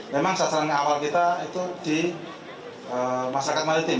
memang sasaran awal kita itu di masyarakat maritim